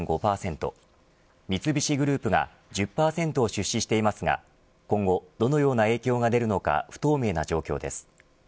三菱グループが１０％を出資していますが今後どのような影響が出るのか不透明な状況です。